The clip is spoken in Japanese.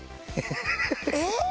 えっ？